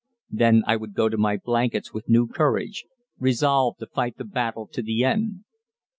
Then I would go to my blankets with new courage, resolved to fight the battle to the end.